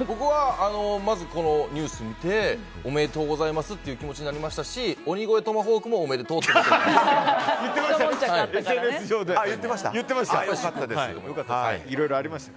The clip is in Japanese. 僕は、まずこのニュースを見ておめでとうございますっていう気持ちになりましたし鬼越トマホークもおめでとうと言っていました。